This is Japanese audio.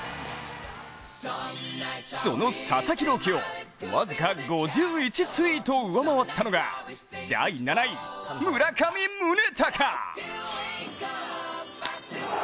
その佐々木朗希を僅か５１ツイート上回ったのが第７位、村上宗隆。